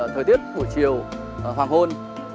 thời tiết buổi chiều hoàng hôn